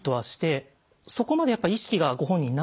そこまでやっぱ意識がご本人なくてですね